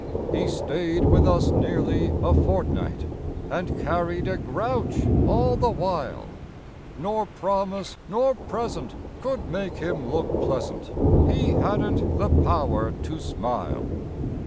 He stayed with us nearly a fortnight And carried a grouch all the while, Nor promise nor present could make him look pleasant; He hadn't the power to smile.